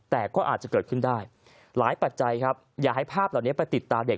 แต่ก็อาจจะเกิดขึ้นได้หลายปัจจัยครับอย่าให้ภาพเหล่านี้ไปติดตาเด็ก